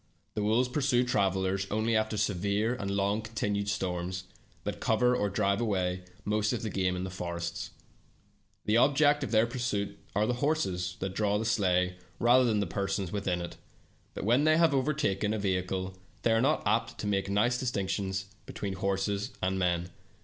The wolves pursue travelers only after severe and long continued storms, that cover or drive away most of the game in the forests. The objects of their pursuit are the horses that draw the sleigh, rather than the persons within it, but when they have once overtaken a vehicle, they are not apt to make nice distinctions between horses and men.